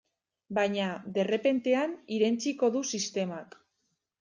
Baina derrepentean irentsiko du sistemak.